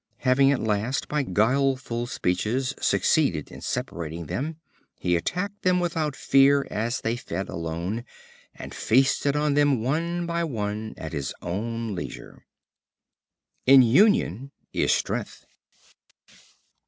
Having at last by guileful speeches succeeded in separating them, he attacked them without fear, as they fed alone, and feasted on them one by one at his own leisure. In union is strength.